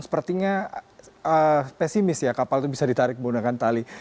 sepertinya pesimis ya kapal itu bisa ditarik menggunakan tali